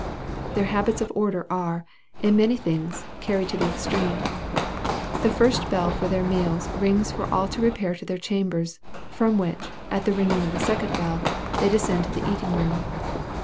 Their habits of order are, in many things, carried to the extreme. The first bell for their meals rings for all to repair to their chambers, from which, at the ringing of the second bell, they descend to the eating room.